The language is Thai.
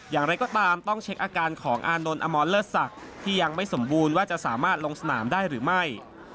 อย่างไรก็ตามต้องเช็คอาการของอานนท์อมรเลิศศักดิ์ที่ยังไม่สมบูรณ์ว่าจะสามารถลงสนามได้หรือไม่